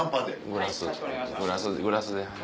グラスグラスグラスで。